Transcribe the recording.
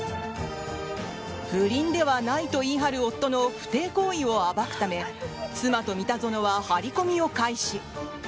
不倫ではないと言い張る夫の不貞行為を暴くため妻と三田園は張り込みを開始！